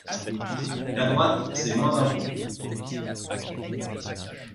La droite, c’est moins d’impôts.